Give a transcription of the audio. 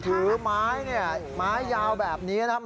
ถือไม้เนี่ยไม้ยาวแบบนี้นะครับ